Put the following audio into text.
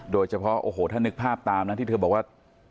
โดยเฉพาะโอ้โหถ้านึกภาพตามนะที่เธอบอกว่า